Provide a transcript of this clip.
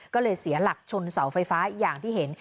ก็เลยเสียหลักชนเสาไฟฟ้าอย่างที่เห็น